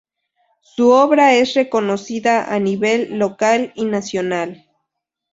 Su obra es reconocida a nivel local y nacional.